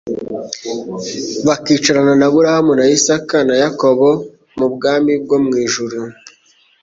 bakicarana na Aburahamu na Isaka na Yakobo mu bwami bwo mu ijuru,